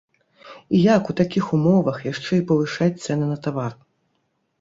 І як у такіх умовах яшчэ і павышаць цэны на тавар?